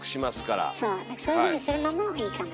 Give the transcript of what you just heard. そういうふうにするのもいいかもしれませんね。